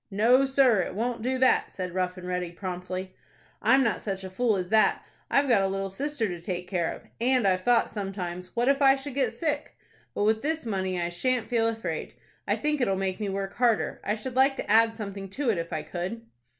"No, sir, it won't do that," said Rough and Ready, promptly. "I'm not such a fool as that. I've got a little sister to take care of, and I've thought sometimes, 'What if I should get sick?' but with this money, I shan't feel afraid. I think it'll make me work harder. I should like to add something to it if I could."